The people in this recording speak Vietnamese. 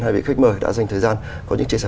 hai vị khách mời đã dành thời gian có những chia sẻ